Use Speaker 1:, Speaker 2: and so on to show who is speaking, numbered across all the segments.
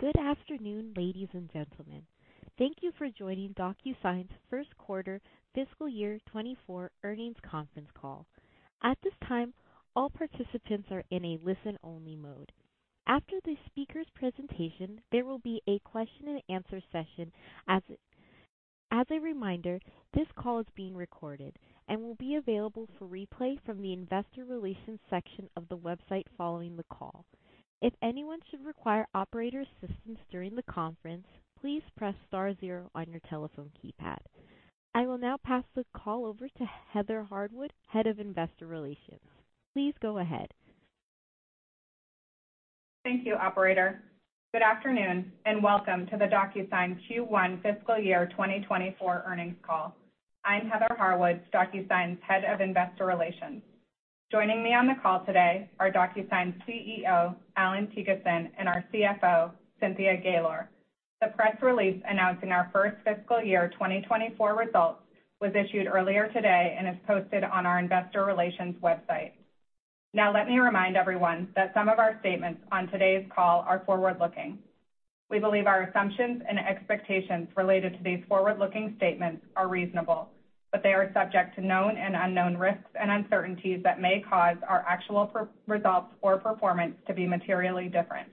Speaker 1: Good afternoon, ladies and gentlemen. Thank you for joining DocuSign's first quarter fiscal year 2024 earnings conference call. At this time, all participants are in a listen-only mode. After the speaker's presentation, there will be a question and answer session. As a reminder, this call is being recorded and will be available for replay from the investor relations section of the website following the call. If anyone should require operator assistance during the conference, please press star zero on your telephone keypad. I will now pass the call over to Heather Harwood, Head of Investor Relations. Please go ahead.
Speaker 2: Thank you, operator. Good afternoon, and welcome to the DocuSign Q1 fiscal year 2024 earnings call. I'm Heather Harwood, DocuSign's Head of Investor Relations. Joining me on the call today are DocuSign's CEO, Allan Thygesen, and our CFO, Cynthia Gaylor. The press release announcing our first fiscal year 2024 results was issued earlier today and is posted on our investor relations website. Let me remind everyone that some of our statements on today's call are forward-looking. We believe our assumptions and expectations related to these forward-looking statements are reasonable, but they are subject to known and unknown risks and uncertainties that may cause our actual results or performance to be materially different.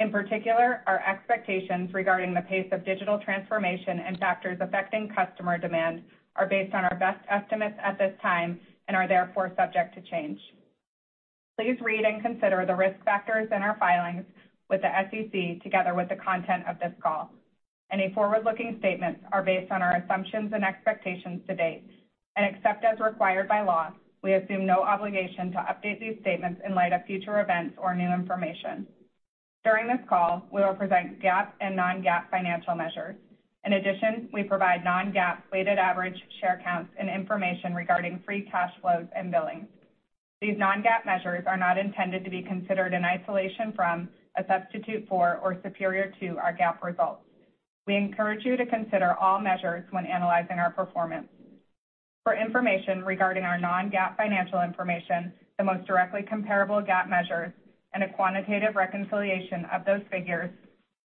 Speaker 2: In particular, our expectations regarding the pace of digital transformation and factors affecting customer demand are based on our best estimates at this time and are therefore subject to change. Please read and consider the risk factors in our filings with the SEC together with the content of this call. Any forward-looking statements are based on our assumptions and expectations to date and except as required by law, we assume no obligation to update these statements in light of future events or new information. During this call, we will present GAAP and non-GAAP financial measures. In addition, we provide non-GAAP weighted average share counts and information regarding free cash flow and billings. These non-GAAP measures are not intended to be considered in isolation from, a substitute for, or superior to our GAAP results. We encourage you to consider all measures when analyzing our performance. For information regarding our non-GAAP financial information, the most directly comparable GAAP measures, and a quantitative reconciliation of those figures,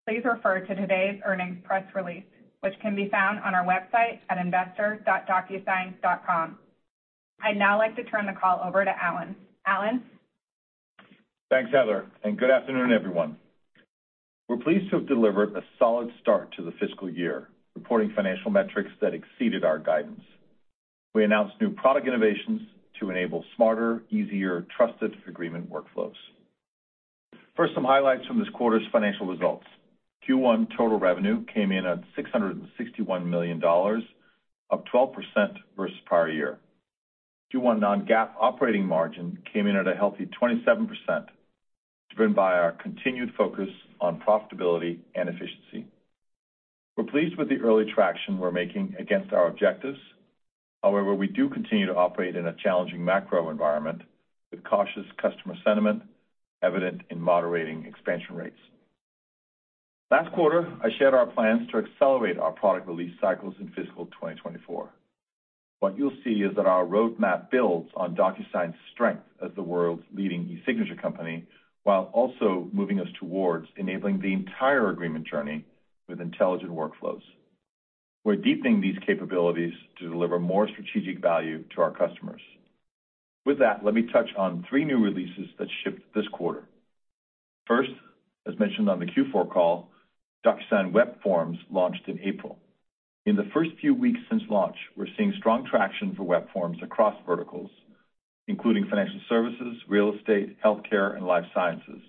Speaker 2: please refer to today's earnings press release, which can be found on our website at investor.docusign.com. I'd now like to turn the call over to Allan. Allan?
Speaker 3: Thanks, Heather, and good afternoon, everyone. We're pleased to have delivered a solid start to the fiscal year, reporting financial metrics that exceeded our guidance. We announced new product innovations to enable smarter, easier, trusted agreement workflows. First, some highlights from this quarter's financial results. Q1 total revenue came in at $661 million, up 12% versus prior year. Q1 non-GAAP operating margin came in at a healthy 27%, driven by our continued focus on profitability and efficiency. We're pleased with the early traction we're making against our objectives. However, we do continue to operate in a challenging macro environment, with cautious customer sentiment evident in moderating expansion rates. Last quarter, I shared our plans to accelerate our product release cycles in fiscal 2024. What you'll see is that our roadmap builds on DocuSign's strength as the world's leading e-signature company, while also moving us towards enabling the entire agreement journey with intelligent workflows. We're deepening these capabilities to deliver more strategic value to our customers. With that, let me touch on three new releases that shipped this quarter. First, as mentioned on the Q4 call, DocuSign Web Forms launched in April. In the first few weeks since launch, we're seeing strong traction for Web Forms across verticals, including financial services, real estate, healthcare, and life sciences,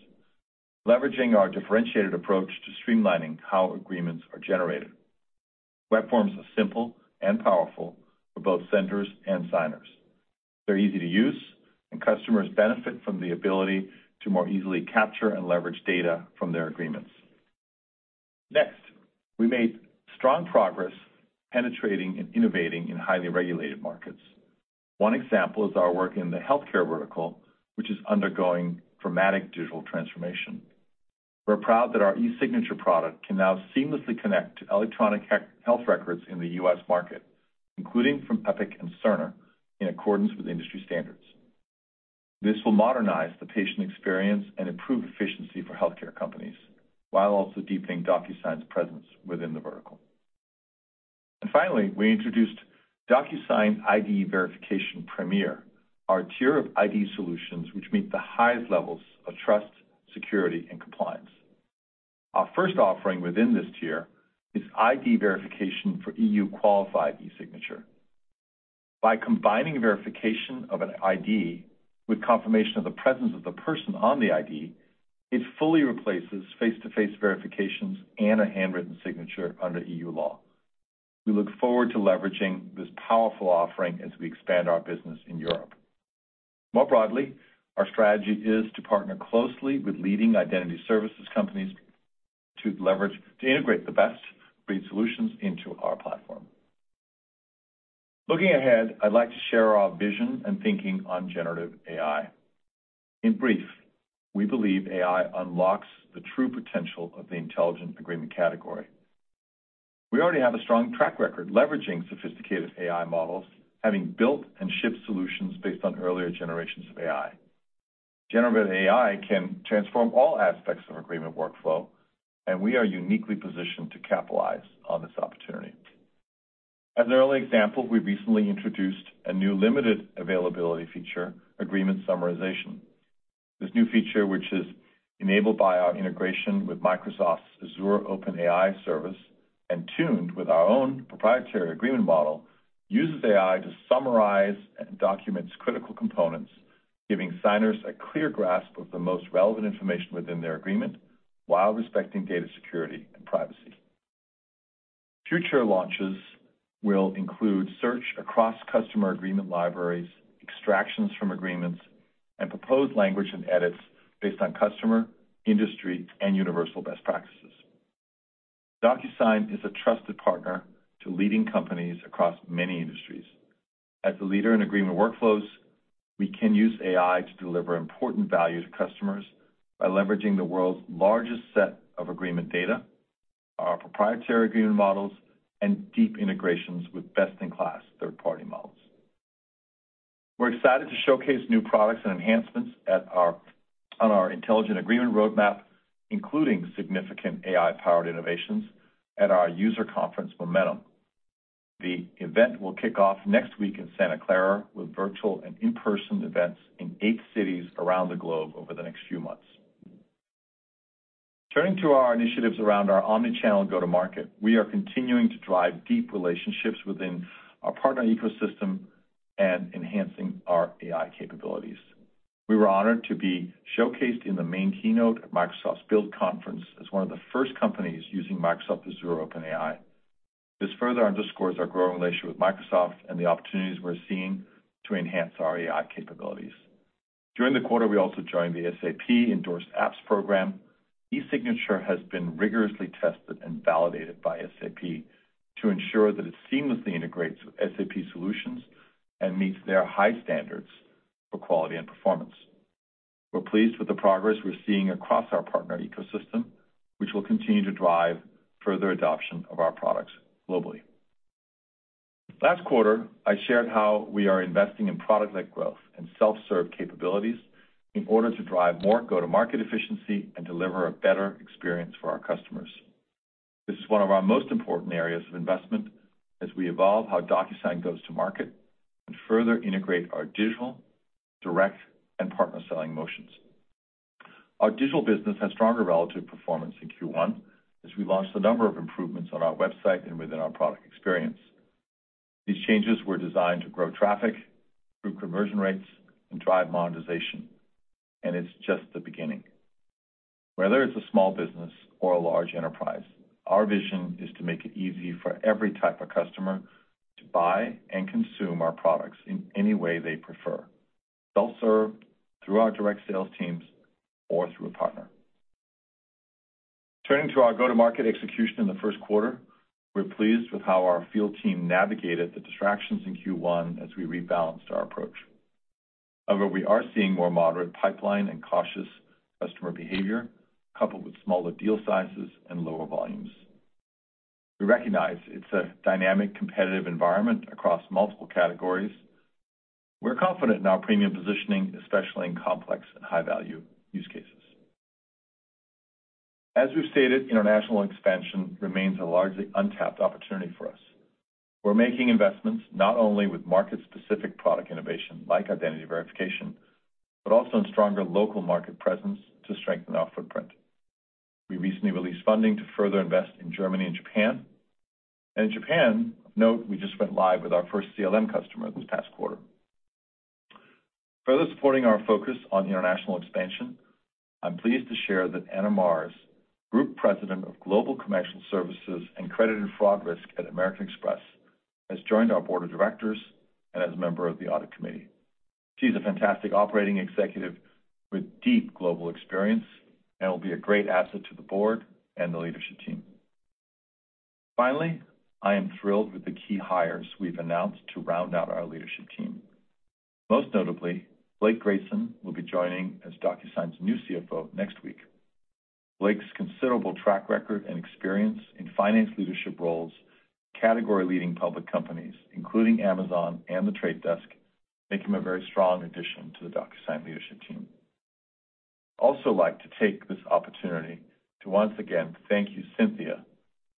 Speaker 3: leveraging our differentiated approach to streamlining how agreements are generated. Web Forms are simple and powerful for both senders and signers. They're easy to use, and customers benefit from the ability to more easily capture and leverage data from their agreements. Next, we made strong progress penetrating and innovating in highly regulated markets. One example is our work in the healthcare vertical, which is undergoing dramatic digital transformation. We're proud that our eSignature product can now seamlessly connect to electronic health records in the U.S. market, including from Epic and Cerner, in accordance with industry standards. This will modernize the patient experience and improve efficiency for healthcare companies, while also deepening DocuSign's presence within the vertical. Finally, we introduced DocuSign ID Verification Premier, our tier of ID solutions, which meet the highest levels of trust, security, and compliance. Our first offering within this tier is ID verification for EU qualified e-signature. By combining verification of an ID with confirmation of the presence of the person on the ID it fully replaces face-to-face verifications and a handwritten signature under EU law. We look forward to leveraging this powerful offering as we expand our business in Europe. More broadly, our strategy is to partner closely with leading identity services companies to leverage, to integrate the best read solutions into our platform. Looking ahead, I'd like to share our vision and thinking on generative AI. In brief, we believe AI unlocks the true potential of the intelligent agreement category. We already have a strong track record leveraging sophisticated AI models having built and shipped solutions based on earlier generations of AI. Generative AI can transform all aspects of agreement workflow. We are uniquely positioned to capitalize on this opportunity. As an early example, we recently introduced a new limited availability feature, Agreement Summarization. This new feature which is enabled by our integration with Microsoft's Azure OpenAI Service and tuned with our own proprietary agreement model uses AI to summarize and documents critical components, giving signers a clear grasp of the most relevant information within their agreement while respecting data security and privacy. Future launches will include search across customer agreement libraries, extractions from agreements, and proposed language and edits based on customer, industry, and universal best practices. DocuSign is a trusted partner to leading companies across many industries. As a leader in agreement workflows, we can use AI to deliver important value to customers by leveraging the world's largest set of agreement data, our proprietary agreement models, and deep integrations with best-in-class third-party models. We're excited to showcase new products and enhancements on our intelligent agreement roadmap including significant AI-powered innovations at our user conference, Momentum. The event will kick off next week in Santa Clara, with virtual and in-person events in eight cities around the globe over the next few months. Turning to our initiatives around our omnichannel go-to-market, we are continuing to drive deep relationships within our partner ecosystem and enhancing our AI capabilities. We were honored to be showcased in the main keynote at Microsoft's Build conference as one of the first companies using Microsoft Azure OpenAI. This further underscores our growing relationship with Microsoft and the opportunities we're seeing to enhance our AI capabilities. During the quarter, we also joined the SAP Endorsed Apps program. eSignature has been rigorously tested and validated by SAP to ensure that it seamlessly integrates with SAP solutions and meets their high standards for quality and performance. We're pleased with the progress we're seeing across our partner ecosystem which will continue to drive further adoption of our products globally. Last quarter, I shared how we are investing in product-led growth and self-serve capabilities in order to drive more go-to-market efficiency and deliver a better experience for our customers. This is one of our most important areas of investment as we evolve how DocuSign goes to market and further integrate our digital, direct, and partner selling motions. Our digital business had stronger relative performance in Q1 as we launched a number of improvements on our website and within our product experience. These changes were designed to grow traffic, improve conversion rates, and drive monetization, and it's just the beginning. Whether it's a small business or a large enterprise, our vision is to make it easy for every type of customer to buy and consume our products in any way they prefer, self-serve, through our direct sales teams or through a partner. Turning to our go-to-market execution in the first quarter, we're pleased with how our field team navigated the distractions in Q1 as we rebalanced our approach. However, we are seeing more moderate pipeline and cautious customer behavior, coupled with smaller deal sizes and lower volumes. We recognize it's a dynamic, competitive environment across multiple categories. We're confident in our premium positioning, especially in complex and high-value use cases. As we've stated, international expansion remains a largely untapped opportunity for us. We're making investments not only with market-specific product innovation, like identity verification, but also in stronger local market presence to strengthen our footprint. We recently released funding to further invest in Germany and Japan. In Japan, of note, we just went live with our first CLM customer this past quarter. Further supporting our focus on international expansion, I'm pleased to share that Anna Marrs, Group President of Global Commercial Services and Credit and Fraud Risk at American Express has joined our board of directors and as a member of the audit committee. She's a fantastic operating executive with deep global experience and will be a great asset to the board and the leadership team. Finally, I am thrilled with the key hires we've announced to round out our leadership team. Most notably, Blake Grayson will be joining as DocuSign's new CFO next week. Blake's considerable track record and experience in finance leadership roles, category-leading public companies, including Amazon and The Trade Desk make him a very strong addition to the DocuSign leadership team. I'd also like to take this opportunity to once again thank you, Cynthia,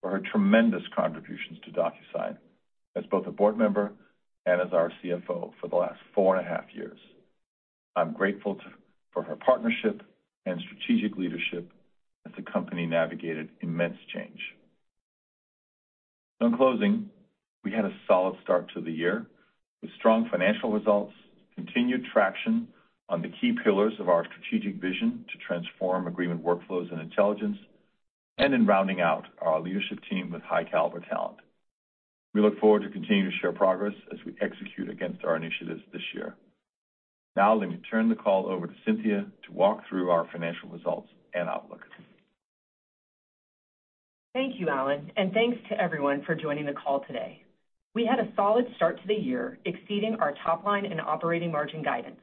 Speaker 3: for her tremendous contributions to DocuSign as both a board member and as our CFO for the last four and a half years. I'm grateful for her partnership and strategic leadership as the company navigated immense change. In closing, we had a solid start to the year with strong financial results, continued traction on the key pillars of our strategic vision to transform agreement, workflows, and intelligence, and in rounding out our leadership team with high-caliber talent. We look forward to continuing to share progress as we execute against our initiatives this year. Now, let me turn the call over to Cynthia to walk through our financial results and outlook.
Speaker 4: Thank you, Allan, thanks to everyone for joining the call today. We had a solid start to the year, exceeding our top line and operating margin guidance.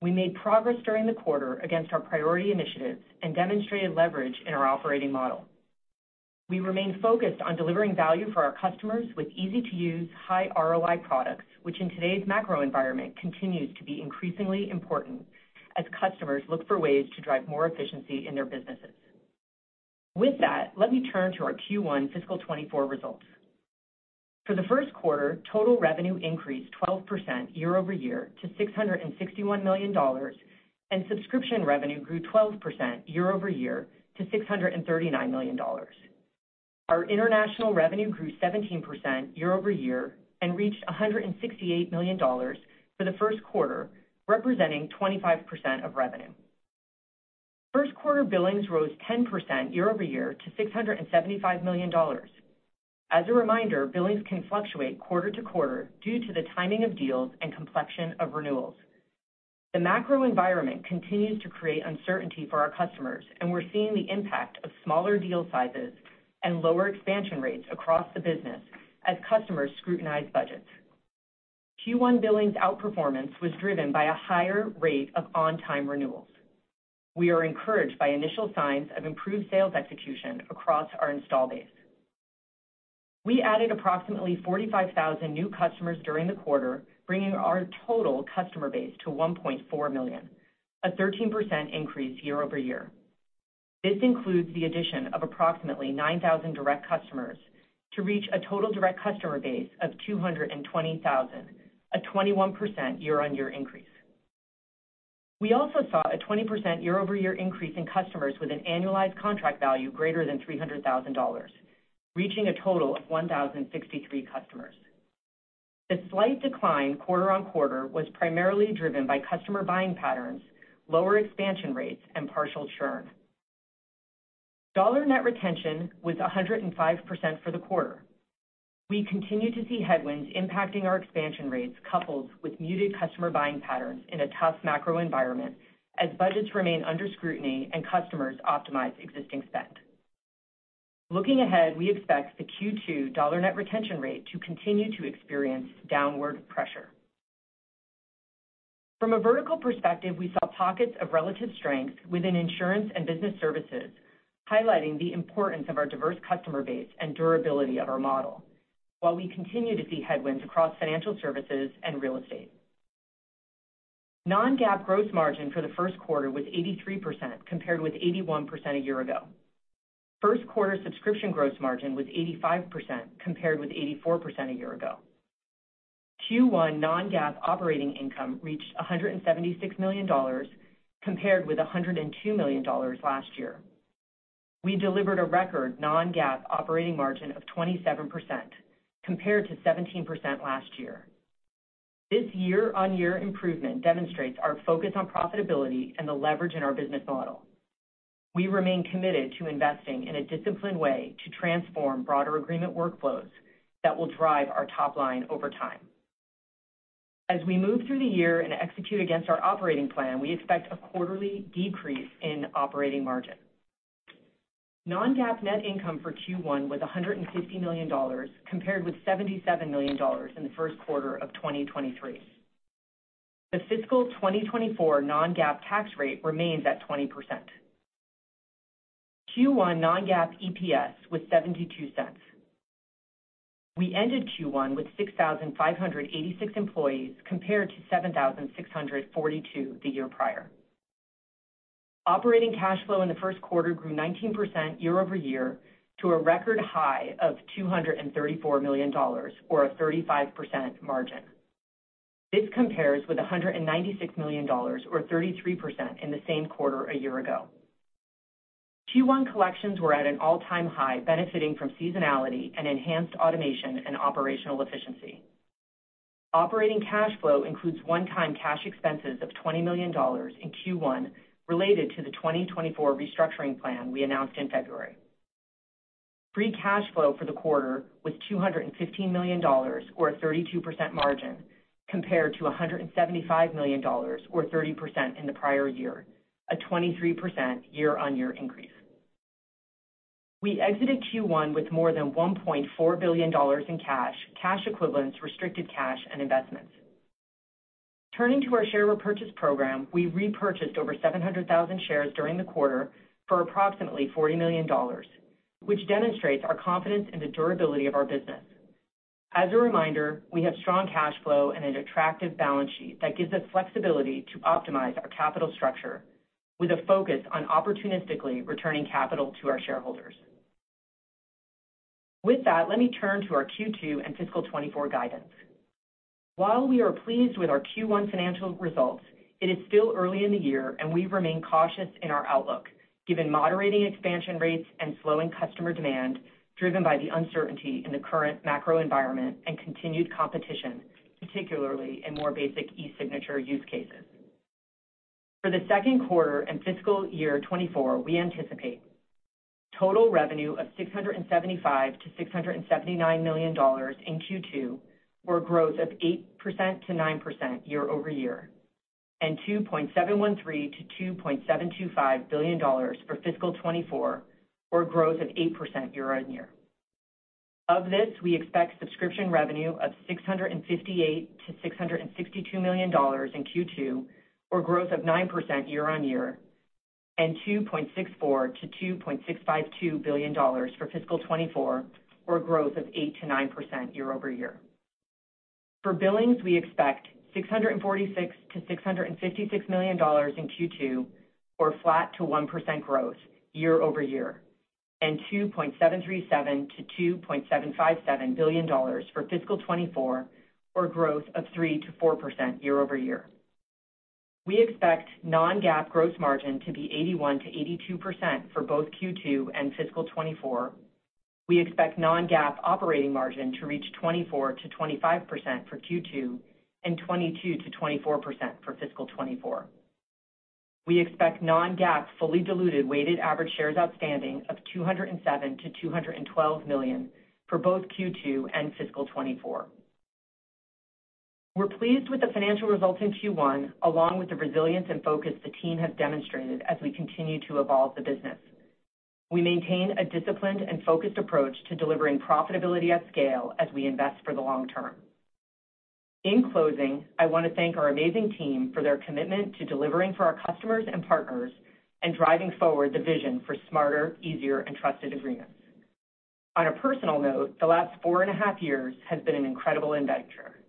Speaker 4: We made progress during the quarter against our priority initiatives and demonstrated leverage in our operating model. We remain focused on delivering value for our customers with easy-to-use, high ROI products, which in today's macro environment, continues to be increasingly important as customers look for ways to drive more efficiency in their businesses. With that, let me turn to our Q1 fiscal 24 results. For the first quarter, total revenue increased 12% year-over-year to $661 million, and subscription revenue grew 12% year-over-year to $639 million. Our international revenue grew 17% year-over-year and reached $168 million for the first quarter representing 25% of revenue. First quarter billings rose 10% year-over-year to $675 million. As a reminder, billings can fluctuate quarte-to-quarter due to the timing of deals and complexion of renewals. The macro environment continues to create uncertainty for our customers, and we're seeing the impact of smaller deal sizes and lower expansion rates across the business as customers scrutinize budgets. Q1 billings outperformance was driven by a higher rate of on-time renewals. We are encouraged by initial signs of improved sales execution across our install base. We added approximately 45,000 new customers during the quarter, bringing our total customer base to 1.4 million, a 13% increase year-over-year. This includes the addition of approximately 9,000 direct customers to reach a total direct customer base of 220,000, a 21% year-on-year increase. We also saw a 20% year-over-year increase in customers with an annualized contract value greater than $300,000, reaching a total of 1,063 customers. The slight decline quarter-on-quarter was primarily driven by customer buying patterns, lower expansion rates, and partial churn. Dollar net retention was 105% for the quarter. We continue to see headwinds impacting our expansion rates, coupled with muted customer buying patterns in a tough macro environment, as budgets remain under scrutiny and customers optimize existing spend. Looking ahead, we expect the Q2 dollar net retention rate to continue to experience downward pressure. From a vertical perspective, we saw pockets of relative strength within insurance and business services, highlighting the importance of our diverse customer base and durability of our model, while we continue to see headwinds across financial services and real estate. Non-GAAP gross margin for the first quarter was 83%, compared with 81% a year ago. First quarter subscription gross margin was 85%, compared with 84% a year ago. Q1 non-GAAP operating income reached $176 million, compared with $102 million last year. We delivered a record non-GAAP operating margin of 27%, compared to 17% last year. This year-on-year improvement demonstrates our focus on profitability and the leverage in our business model. We remain committed to investing in a disciplined way to transform broader agreement workflows that will drive our top line over time. As we move through the year and execute against our operating plan, we expect a quarterly decrease in operating margin. Non-GAAP net income for Q1 was $150 million, compared with $77 million in the first quarter of 2023. The fiscal 2024 non-GAAP tax rate remains at 20%. Q1 non-GAAP EPS was $0.72. We ended Q1 with 6,586 employees, compared to 7,642 the year prior. Operating cash flow in the first quarter grew 19% year-over-year to a record high of $234 million or a 35% margin. This compares with $196 million or 33% in the same quarter a year ago. Q1 collections were at an all-time high benefiting from seasonality and enhanced automation and operational efficiency. Operating cash flow includes one-time cash expenses of $20 million in Q1, related to the 2024 restructuring plan we announced in February. Free cash flow for the quarter was $215 million or a 32% margin, compared to $175 million or 30% in the prior year, a 23% year-on-year increase. We exited Q1 with more than $1.4 billion in cash equivalents, restricted cash, and investments. Turning to our share repurchase program, we repurchased over 700,000 shares during the quarter for approximately $40 million, which demonstrates our confidence in the durability of our business. As a reminder, we have strong cash flow and an attractive balance sheet that gives us flexibility to optimize our capital structure with a focus on opportunistically returning capital to our shareholders. With that, let me turn to our Q2 and fiscal 2024 guidance. While we are pleased with our Q1 financial results, it is still early in the year, and we remain cautious in our outlook given moderating expansion rates and slowing customer demand, driven by the uncertainty in the current macro environment and continued competition, particularly in more basic e-signature use cases. For the second quarter and fiscal year 2024, we anticipate total revenue of $675 million-$679 million in Q2, or a growth of 8%-9% year-over-year, and $2.713 billion-$2.725 billion for fiscal 2024, or a growth of 8% year-on-year. Of this, we expect subscription revenue of $658 million-$662 million in Q2, or growth of 9% year-on-year, and $2.64 billion-$2.652 billion for fiscal 2024, or growth of 8%-9% year-over-year. For billings, we expect $646 million-$656 million in Q2, or flat to 1% growth year-over-year, and $2.737 billion-$2.757 billion for fiscal 2024, or growth of 3%-4% year-over-year. We expect non-GAAP gross margin to be 81%-82% for both Q2 and fiscal 2024. We expect non-GAAP operating margin to reach 24%-25% for Q2 and 22%-24% for fiscal 2024. We expect non-GAAP fully diluted weighted average shares outstanding of 207 million-212 million for both Q2 and fiscal 2024. We're pleased with the financial results in Q1 along with the resilience and focus the team has demonstrated as we continue to evolve the business. We maintain a disciplined and focused approach to delivering profitability at scale as we invest for the long term. In closing, I want to thank our amazing team for their commitment to delivering for our customers and partners, driving forward the vision for smarter, easier, and trusted agreements. On a personal note, the last four and a half years has been an incredible adventure,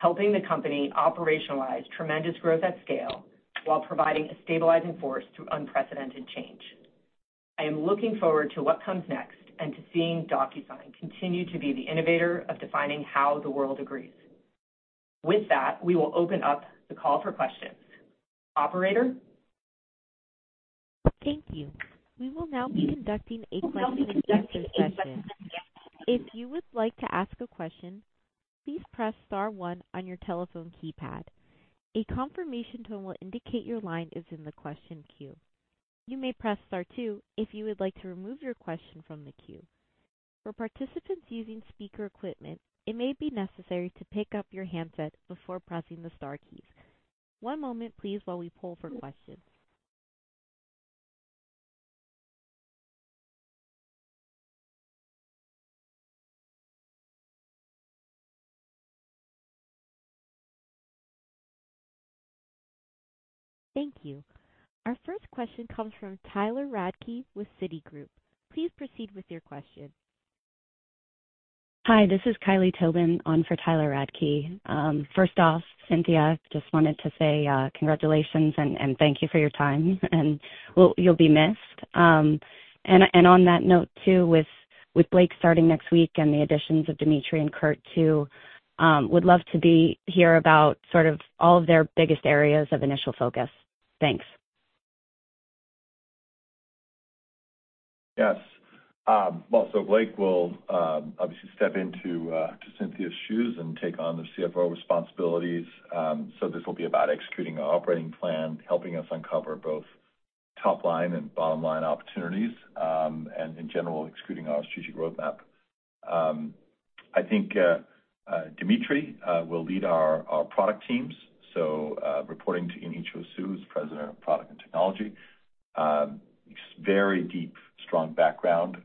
Speaker 4: helping the company operationalize tremendous growth at scale while providing a stabilizing force through unprecedented change. I am looking forward to what comes next and to seeing DocuSign continue to be the innovator of defining how the world agrees. With that, we will open up the call for questions. Operator?
Speaker 1: Thank you. We will now be conducting a question and answer session. If you would like to ask a question, please press star one on your telephone keypad. A confirmation tone will indicate your line is in the question queue. You may press star two if you would like to remove your question from the queue. For participants using speaker equipment, it may be necessary to pick up your handset before pressing the star keys. One moment, please, while we pull for questions. Thank you. Our first question comes from Tyler Radke with Citigroup. Please proceed with your question.
Speaker 5: Hi, this is Kylie Towbin on for Tyler Radke. First off, Cynthia, just wanted to say, congratulations and thank you for your time, and well, you'll be missed. On that note, too, with Blake starting next week and the additions of Dmitri and Kurt, too, would love to hear about sort of all of their biggest areas of initial focus. Thanks.
Speaker 3: Well, so Blake will obviously step into Cynthia's shoes and take on the CFO responsibilities. This will be about executing our operating plan, helping us uncover both top line and bottom line opportunities, and in general executing our strategic roadmap. I think Dmitri will lead our product teams, reporting to Inhi Cho Suh, who's President of Product and Technology. He's very deep, strong background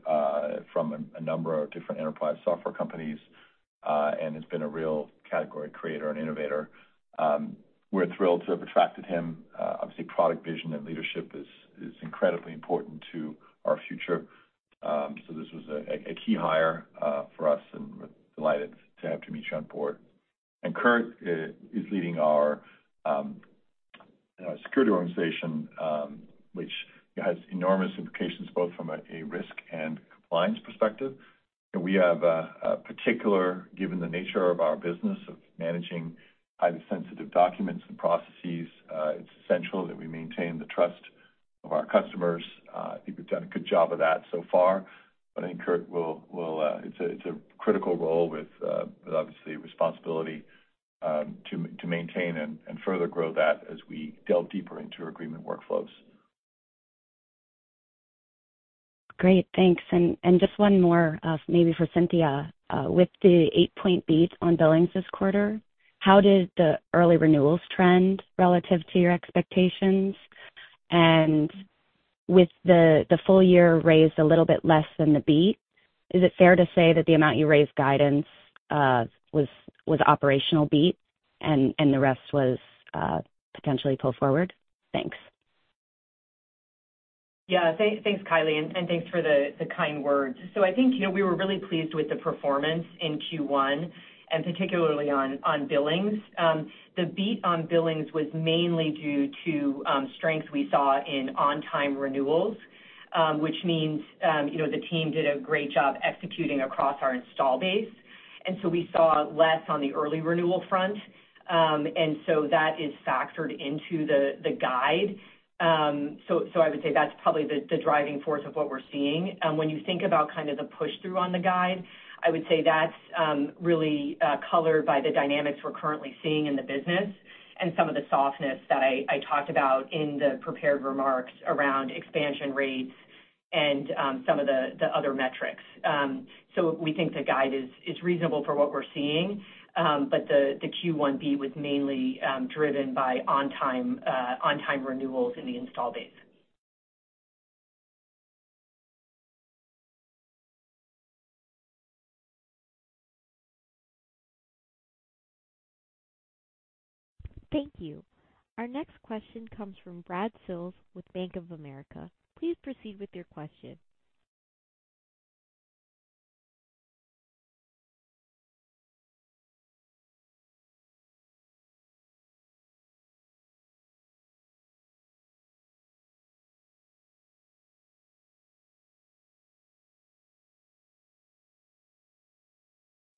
Speaker 3: from a number of different enterprise software companies and has been a real category creator and innovator. We're thrilled to have attracted him. Obviously, product vision and leadership is incredibly important to our future. This was a key hire for us, and we're delighted to have Dmitri on board. Kurt is leading our security organization, which has enormous implications both from a risk and compliance perspective. We have a particular, given the nature of our business, of managing highly sensitive documents and processes, it's essential that we maintain the trust of our customers. I think we've done a good job of that so far, but I think Kurt will. It's a critical role with, obviously, responsibility, to maintain and further grow that as we delve deeper into our agreement workflows.
Speaker 5: Great. Thanks. Just one more, maybe for Cynthia. With the 8-point beat on billings this quarter, how did the early renewals trend relative to your expectations? With the full year raised a little bit less than the beat, is it fair to say that the amount you raised guidance was operational beat and the rest was potentially pulled forward? Thanks.
Speaker 4: Yeah. Thanks, Kylie, and thanks for the kind words. I think, you know, we were really pleased with the performance in Q1, and particularly on billings. The beat on billings was mainly due to strength we saw in on-time renewals, which means, you know, the team did a great job executing across our install base, we saw less on the early renewal front. That is factored into the guide. So I would say that's probably the driving force of what we're seeing. When you think about kind of the push-through on the guide, I would say that's really colored by the dynamics we're currently seeing in the business and some of the softness that I talked about in the prepared remarks around expansion rates and some of the other metrics. We think the guide is reasonable for what we're seeing, but the Q1 beat was mainly driven by on-time renewals in the install base.
Speaker 1: Thank you. Our next question comes from Brad Sills with Bank of America. Please proceed with your question.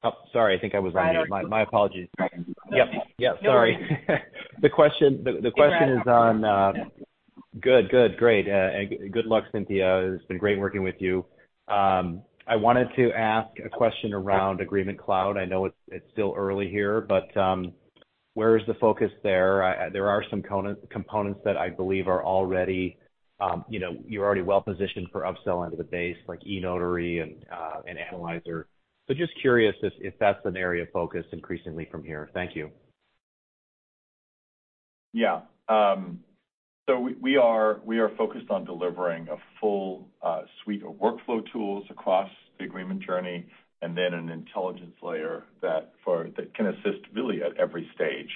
Speaker 6: Oh, sorry, I think I was on mute. My apologies. Yep, sorry. The question is on. Good. Great. Good luck, Cynthia. It's been great working with you. I wanted to ask a question around Agreement Cloud. I know it's still early here, but, where is the focus there? There are some components that I believe are already, you know, you're already well-positioned for upselling to the base, like eNotary and Analyzer. Just curious if that's an area of focus increasingly from here. Thank you.
Speaker 3: We are focused on delivering a full suite of workflow tools across the agreement journey and then an intelligence layer that can assist really at every stage.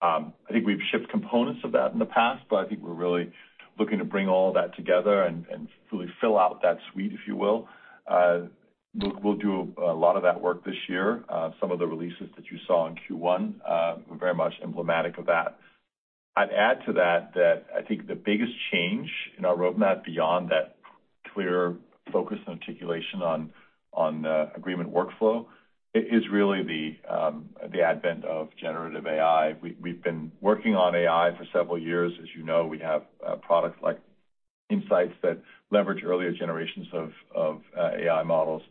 Speaker 3: I think we've shipped components of that in the past, I think we're really looking to bring all that together and fully fill out that suite, if you will. We'll do a lot of that work this year. Some of the releases that you saw in Q1 were very much emblematic of that. I'd add to that I think the biggest change in our roadmap beyond that clear focus and articulation on agreement workflow, it is really the advent of generative AI. We've been working on AI for several years. As you know, we have products like Insight that leverage earlier generations of AI models.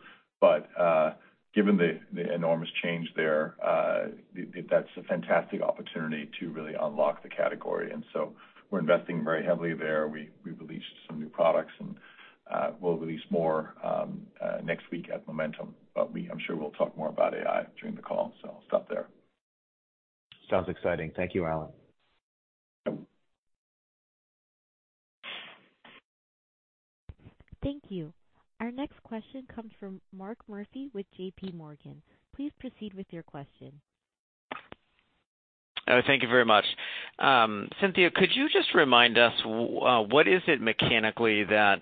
Speaker 3: Given the enormous change there, that's a fantastic opportunity to really unlock the category. We're investing very heavily there. We've released some new products, and we'll release more next week at Momentum. I'm sure we'll talk more about AI during the call. I'll stop there.
Speaker 6: Sounds exciting. Thank you, Allan.
Speaker 3: Yep.
Speaker 1: Thank you. Our next question comes from Mark Murphy with JP Morgan. Please proceed with your question.
Speaker 7: Thank you very much. Cynthia, could you just remind us, what is it mechanically that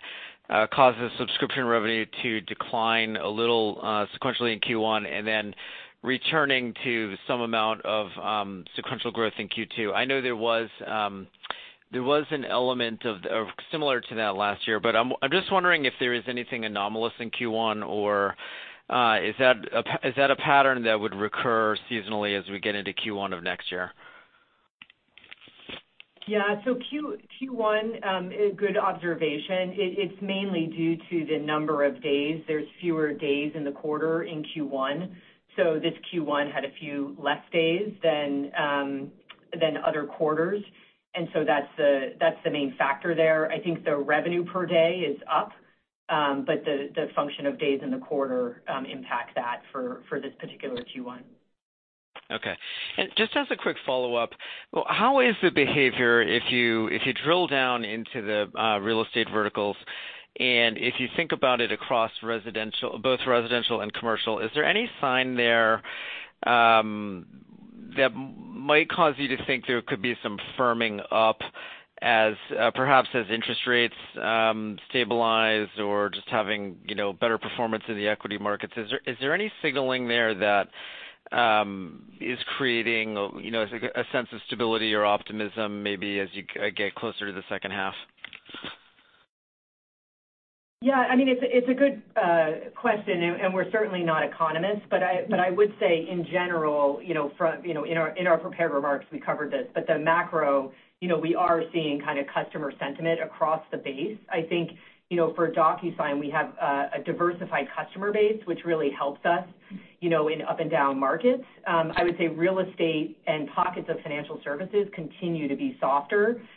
Speaker 7: causes subscription revenue to decline a little sequentially in Q1, and then returning to some amount of sequential growth in Q2? I know there was an element of similar to that last year, but I'm just wondering if there is anything anomalous in Q1, or is that a pattern that would recur seasonally as we get into Q1 of next year?
Speaker 4: Yeah. Q1, a good observation, it's mainly due to the number of days. There's fewer days in the quarter in Q1. This Q1 had a few less days than other quarters. That's the main factor there. I think the revenue per day is up. The function of days in the quarter impact that for this particular Q1.
Speaker 7: Okay. Just as a quick follow-up, how is the behavior if you drill down into the real estate verticals, if you think about it across residential, both residential and commercial, is there any sign there that might cause you to think there could be some firming up as perhaps as interest rates stabilize or just having, you know, better performance in the equity markets? Is there any signaling there that is creating, you know, a sense of stability or optimism, maybe as you get closer to the second half?
Speaker 4: Yeah, I mean, it's a good question, and we're certainly not economists, but I would say in general, you know, from, you know, in our prepared remarks, we covered this, but the macro, you know, we are seeing kind of customer sentiment across the base. I think, you know, for DocuSign, we have a diversified customer base, which really helps us, you know, in up and down markets. I would say real estate and pockets of financial services continue to be softer than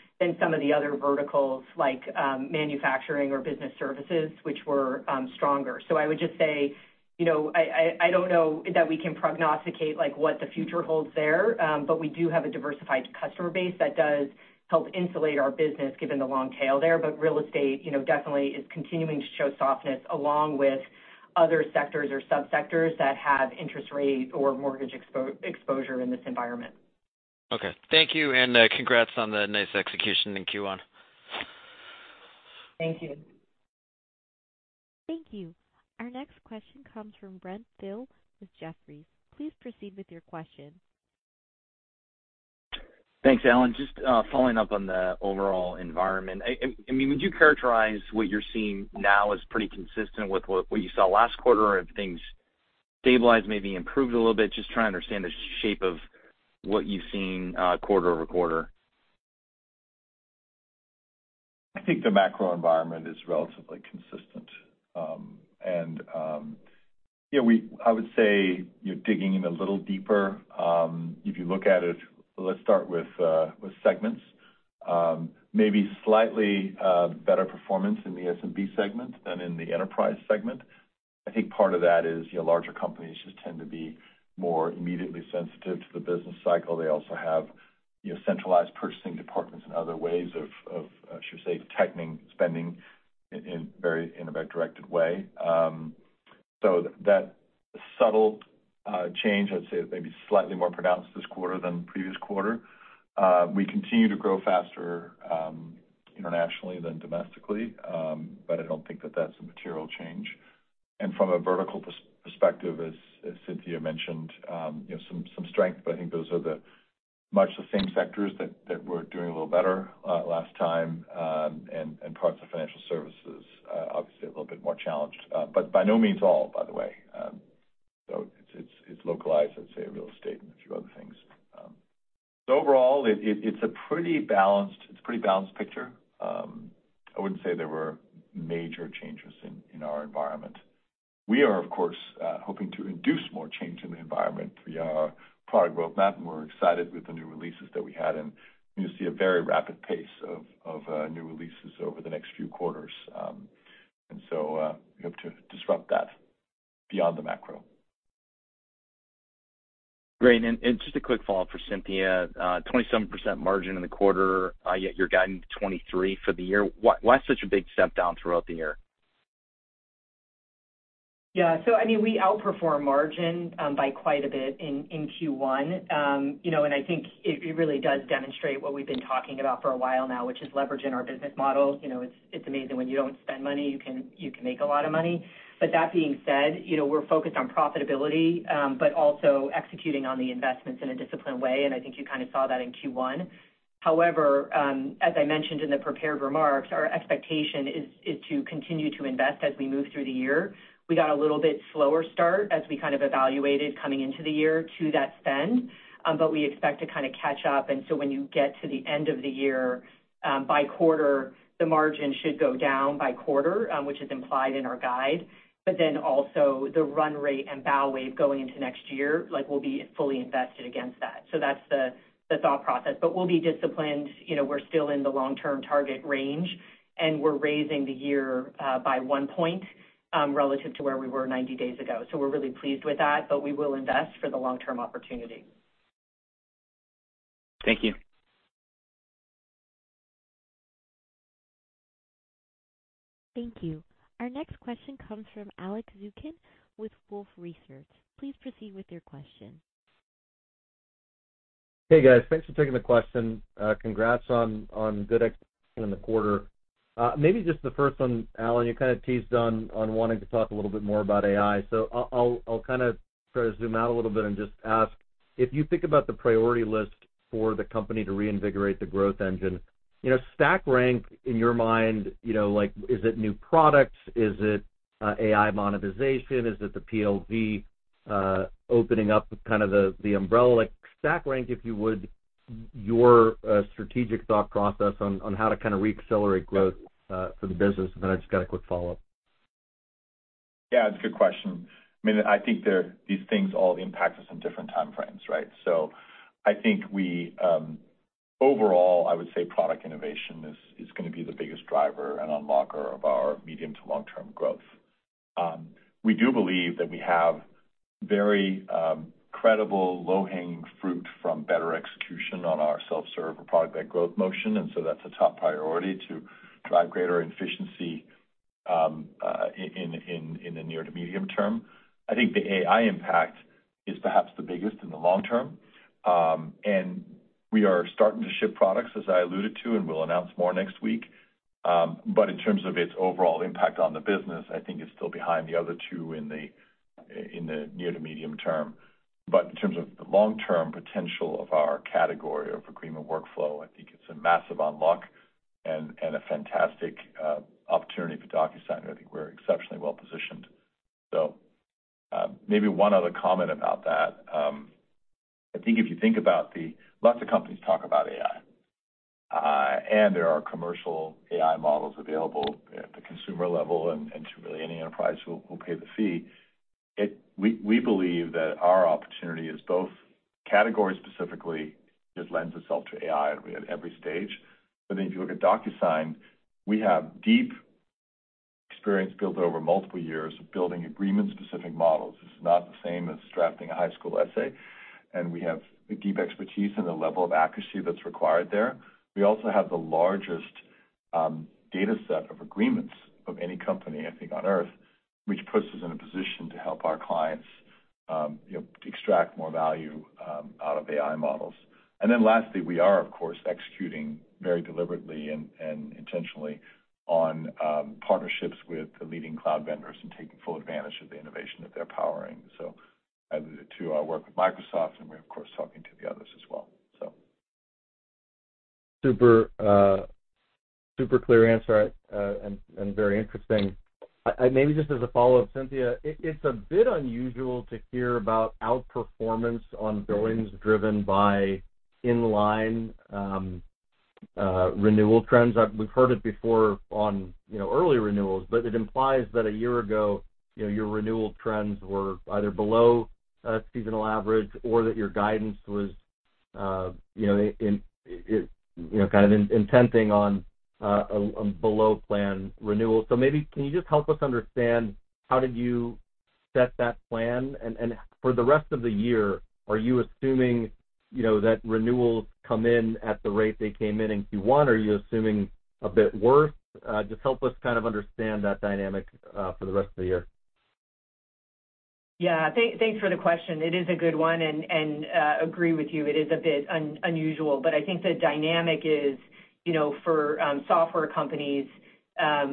Speaker 4: some of the other verticals like manufacturing or business services, which were stronger. I would just say, you know, I don't know that we can prognosticate, like, what the future holds there, but we do have a diversified customer base that does help insulate our business, given the long tail there. real estate, you know, definitely is continuing to show softness, along with other sectors or subsectors that have interest rate or mortgage exposure in this environment.
Speaker 7: Okay. Thank you, and, congrats on the nice execution in Q1.
Speaker 4: Thank you.
Speaker 1: Thank you. Our next question comes from Brent Thill with Jefferies. Please proceed with your question.
Speaker 8: Thanks, Allan. Just following up on the overall environment. I mean, would you characterize what you're seeing now as pretty consistent with what you saw last quarter? Have things stabilized, maybe improved a little bit? Just trying to understand the shape of what you've seen quarter-over-quarter.
Speaker 3: I think the macro environment is relatively consistent. I would say, you're digging in a little deeper. If you look at it, let's start with segments. Maybe slightly better performance in the SMB segment than in the enterprise segment. I think part of that is, you know, larger companies just tend to be more immediately sensitive to the business cycle. They also have, you know, centralized purchasing departments and other ways of, I should say, tightening spending in a very directed way. That subtle change, I'd say, maybe slightly more pronounced this quarter than the previous quarter. We continue to grow faster internationally than domestically, I don't think that that's a material change. From a vertical perspective as Cynthia mentioned, you know, some strength, but I think those are the much the same sectors that were doing a little better last time, and parts of financial services, obviously, a little bit more challenged, but by no means all, by the way. So it's localized, I'd say, in real estate and a few other things. So overall, it's a pretty balanced picture. I wouldn't say there were major changes in our environment. We are, of course, hoping to induce more change in the environment via our product roadmap, and we're excited with the new releases that we had, and you'll see a very rapid pace of new releases over the next few quarters. We hope to disrupt that beyond the macro.
Speaker 8: Great. Just a quick follow-up for Cynthia. 27% margin in the quarter, yet you're guiding to 23% for the year. Why such a big step down throughout the year?
Speaker 4: Yeah. I mean, we outperform margin by quite a bit in Q1. You know, I think it really does demonstrate what we've been talking about for a while now, which is leveraging our business model. You know, it's amazing when you don't spend money, you can, you can make a lot of money. That being said, you know, we're focused on profitability, also executing on the investments in a disciplined way, and I think you kind of saw that in Q1. However, as I mentioned in the prepared remarks, our expectation is to continue to invest as we move through the year. We got a little bit slower start as we kind of evaluated coming into the year to that spend, we expect to kind of catch up. When you get to the end of the year, by quarter, the margin should go down by quarter, which is implied in our guide. Also the run rate and bow wave going into next year, like, we'll be fully invested against that. That's the thought process. We'll be disciplined. You know, we're still in the long-term target range, and we're raising the year by one point relative to where we were 90 days ago. We're really pleased with that, but we will invest for the long-term opportunity.
Speaker 8: Thank you.
Speaker 1: Thank you. Our next question comes from Alex Zukin with Wolfe Research. Please proceed with your question.
Speaker 9: Hey, guys. Thanks for taking the question. Congrats on good execution in the quarter. Maybe just the first one, Allan, you kind of teased on wanting to talk a little bit more about AI. I'll kind of try to zoom out a little bit and just ask if you think about the priority list for the company to reinvigorate the growth engine, you know, stack rank in your mind, you know, like, is it new products? Is it AI monetization? Is it the PLG, opening up kind of the umbrella? Like, stack rank, if you would, your strategic thought process on how to kind of reaccelerate growth for the business. I just got a quick follow-up.
Speaker 3: Yeah, it's a good question. I mean, I think these things all impact us in different time frames, right? I think we overall, I would say product innovation is gonna be the biggest driver and unlocker of our medium to long-term growth. We do believe that we have very credible, low-hanging fruit from better execution on our self-serve or product-led growth motion, that's a top priority to drive greater efficiency in the near to medium term. I think the AI impact is perhaps the biggest in the long term, we are starting to ship products, as I alluded to, and we'll announce more next week. In terms of its overall impact on the business, I think it's still behind the other two in the near to medium term. In terms of the long-term potential of our category of agreement workflow, I think it's a massive unlock and a fantastic opportunity for DocuSign. I think we're exceptionally well-positioned. Maybe one other comment about that. I think if you think about the... Lots of companies talk about AI, and there are commercial AI models available at the consumer level and to really any enterprise who will pay the fee. We believe that our opportunity is both category specifically just lends itself to AI at every stage. Then if you look at DocuSign, we have deep experience built over multiple years of building agreement-specific models. This is not the same as drafting a high school essay, and we have deep expertise in the level of accuracy that's required there. We also have the largest, data set of agreements of any company, I think, on Earth, which puts us in a position to help our clients, you know, to extract more value, out of AI models. Lastly, we are, of course, executing very deliberately and intentionally on partnerships with the leading cloud vendors and taking full advantage of the innovation that they're powering. I alluded to our work with Microsoft, and we're, of course, talking to the others as well.
Speaker 9: Super, super clear answer, and very interesting. Maybe just as a follow-up, Cynthia, it's a bit unusual to hear about outperformance on billings driven by in-line renewal trends. We've heard it before on, you know, early renewals, but it implies that a year ago, you know, your renewal trends were either below seasonal average or that your guidance was kind of in tenting on below plan renewal. Maybe can you just help us understand how did you set that plan? For the rest of the year, are you assuming, you know, that renewals come in at the rate they came in in Q1, or are you assuming a bit worse? Just help us kind of understand that dynamic for the rest of the year.
Speaker 4: Yeah, thanks for the question. It is a good one, and agree with you, it is a bit unusual, but I think the dynamic is, you know, for software companies,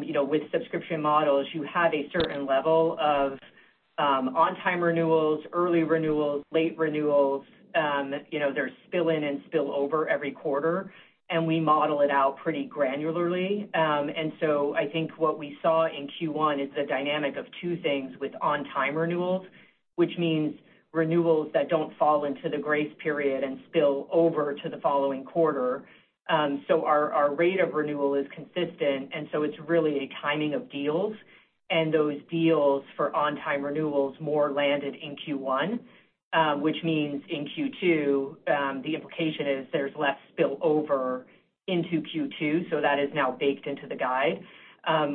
Speaker 4: you know, with subscription models, you have a certain level of on-time renewals, early renewals, late renewals, you know, there's spill in and spill over every quarter, and we model it out pretty granularly. I think what we saw in Q1 is the dynamic of two things with on-time renewals, which means renewals that don't fall into the grace period and spill over to the following quarter. Our, our rate of renewal is consistent, and so it's really a timing of deals, and those deals for on-time renewals more landed in Q1, which means in Q2, the implication is there's less spillover into Q2 so that is now baked into the guide.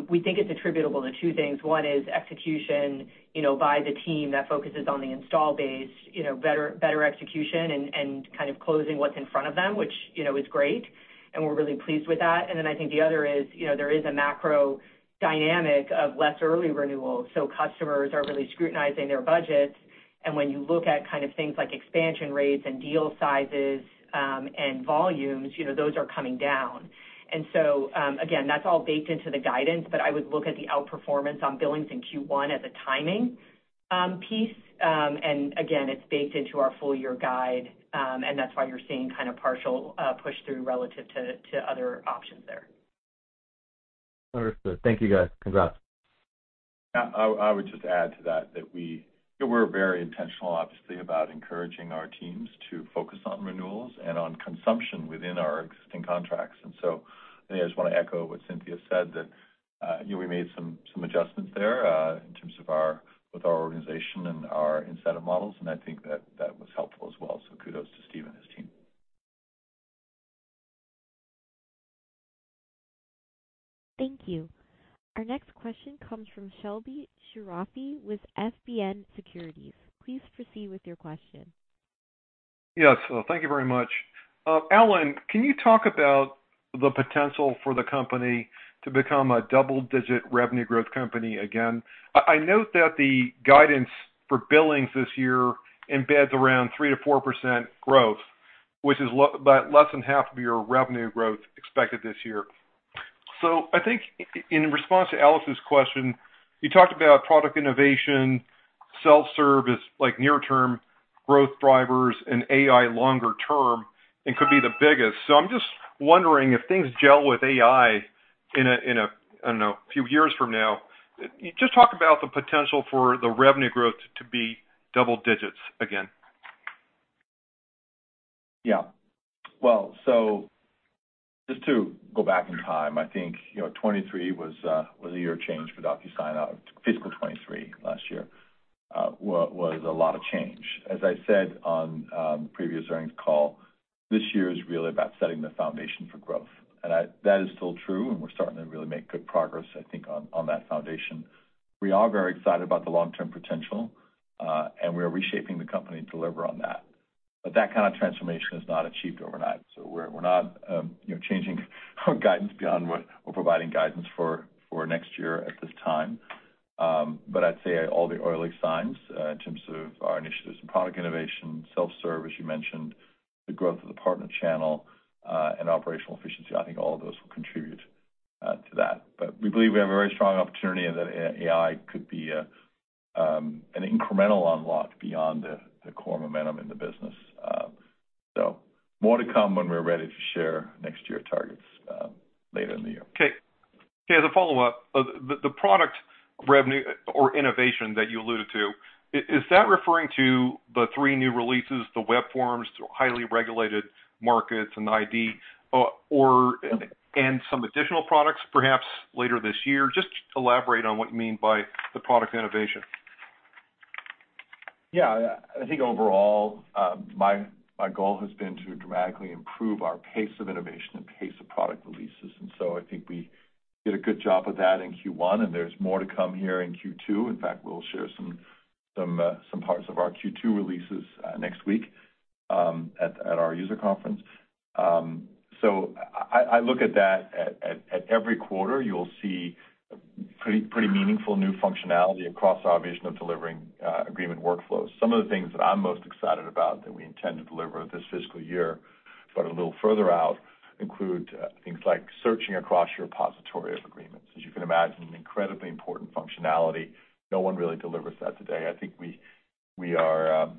Speaker 4: We think it's attributable to two things. One is execution by the team that focuses on the install base, better execution and kind of closing what's in front of them, which is great, and we're really pleased with that. I think the other is there is a macro dynamic of less early renewals, so customers are really scrutinizing their budgets. When you look at kind of things like expansion rates and deal sizes, and volumes, those are coming down. Again, that's all baked into the guidance but I would look at the outperformance on billings in Q1 as a timing piece. Again, it's baked into our full year guide, and that's why you're seeing kind of partial push through relative to other options there.
Speaker 9: Understood. Thank you, guys. Congrats.
Speaker 3: Yeah, I would just add to that we're very intentional, obviously, about encouraging our teams to focus on renewals and on consumption within our existing contracts. I just wanna echo what Cynthia said, that, you know, we made some adjustments there in terms of with our organization and our incentive models, and I think that that was helpful as well. Kudos to Steve and his team.
Speaker 1: Thank you. Our next question comes from Shebly Seyrafi with FBN Securities. Please proceed with your question.
Speaker 10: Yes, thank you very much. Allan, can you talk about the potential for the company to become a double-digit revenue growth company again? I note that the guidance for billings this year embeds around three or four percent growth which is about less than half of your revenue growth expected this year. I think in response to Alex's question, you talked about product innovation, self-service, like near-term growth drivers and AI longer-term, and could be the biggest. I'm just wondering if things gel with AI few years from now. Just talk about the potential for the revenue growth to be double digits again.
Speaker 3: Yeah. Well, just to go back in time, I think, you know, 2023 was a year of change for DocuSign, fiscal 2023, last year, was a lot of change. As I said on previous earnings call, this year is really about setting the foundation for growth, and that is still true, and we're starting to really make good progress, I think, on that foundation. We are very excited about the long-term potential, and we are reshaping the company to deliver on that. That kind of transformation is not achieved overnight, so we're not, you know, changing our guidance beyond what we're providing guidance for next year at this time. I'd say all the early signs in terms of our initiatives in product innovation, self-service, you mentioned, the growth of the partner channel, and operational efficiency, I think all of those will contribute to that. We believe we have a very strong opportunity and that AI could be an incremental unlock beyond the core momentum in the business. More to come when we're ready to share next year targets later in the year.
Speaker 10: Okay. Okay, as a follow-up, the product revenue or innovation that you alluded to, is that referring to the three new releases, the web forms, highly regulated markets and ID, or, and some additional products perhaps later this year? Just elaborate on what you mean by the product innovation.
Speaker 3: Yeah, I think overall, my goal has been to dramatically improve our pace of innovation and pace of product releases. I think we did a good job of that in Q1, and there's more to come here in Q2. In fact, we'll share some parts of our Q2 releases next week at our user conference. I look at that at every quarter you'll see pretty meaningful new functionality across our vision of delivering agreement workflows. Some of the things that I'm most excited about that we intend to deliver this fiscal year, but a little further out include things like searching across your repository of agreements. As you can imagine an incredibly important functionality. No one really delivers that today. I think we are,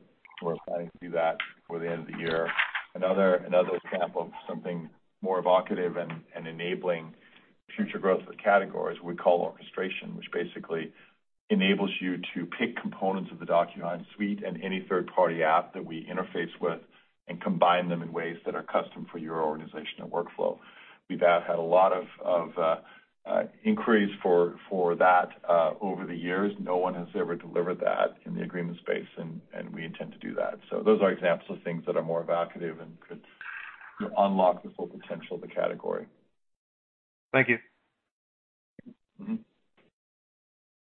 Speaker 3: we're planning to do that before the end of the year. Another example of something more evocative and enabling future growth of the category is we call orchestration, which basically enables you to pick components of the DocuSign suite and any third-party app that we interface with and combine them in ways that are custom for your organizational workflow. We've had a lot of inquiries for that over the years. No one has ever delivered that in the agreement space, and we intend to do that. Those are examples of things that are more evocative and could unlock the full potential of the category. Thank you.